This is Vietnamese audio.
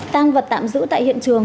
tang vật tạm giữ tại hiện trường